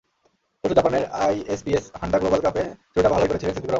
পরশু জাপানের ISPS হান্ডা global কাপে শুরুটা ভালোই করেছিলেন সিদ্দিকুর রহমান।